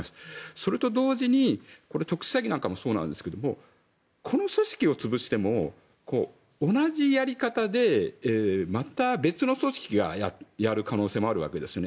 それと同時に、これは特殊詐欺なんかもそうですがこの組織を潰しても同じやり方でまた別の組織がやる可能性もあるわけですよね。